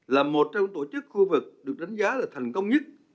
là một trong tổ chức khu vực được đánh giá là thành công nhất